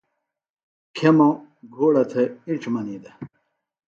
کھیموۡ گھوڑہ تھےۡ اِنڇ منی دےۡ